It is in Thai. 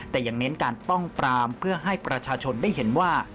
แต่ยังเน้นการป้องปรามเพื่อให้ประชาชนได้เห็นว่า